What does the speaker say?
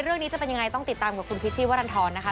เรื่องนี้จะเป็นยังไงต้องติดตามกับคุณพิชชี่วรรณฑรนะคะ